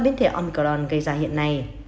biến thể omicron gây ra hiện nay